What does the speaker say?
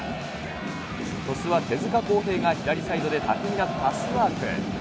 鳥栖は手塚康平が左サイドで巧みなパスワーク。